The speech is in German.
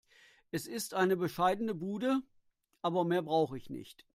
Es ist eine bescheidene Bude, aber mehr brauche ich nicht.